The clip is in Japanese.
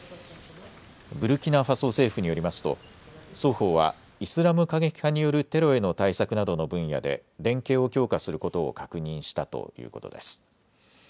ブルキナファソ政府によりますと双方はイスラム過激派によるテロへの対策などの分野で連携を強化することを確認したということです。